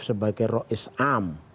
sebagai rok islam